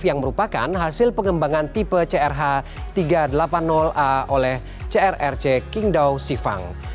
yang merupakan hasil pengembangan tipe crh tiga ratus delapan puluh a oleh crrc kingdo sifang